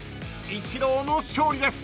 ［イチローの勝利です］